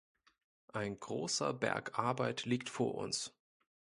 Ein großer Berg Arbeit liegt vor uns.